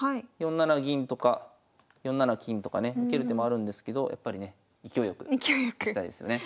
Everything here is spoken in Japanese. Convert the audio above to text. ４七銀とか４七金とかね受ける手もあるんですけどやっぱりね勢いよく勢いよく。